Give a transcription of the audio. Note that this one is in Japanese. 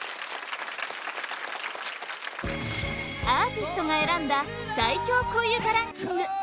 アーティストが選んだ最強恋うたランキング